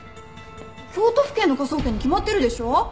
京都府警の科捜研に決まってるでしょ！